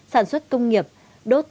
sản xuất công nghiệp đốt